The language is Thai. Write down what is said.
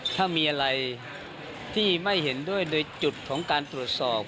ถ้ามีอะไรที่ไม่เห็นด้วยโดยจุดของการตรวจสอบ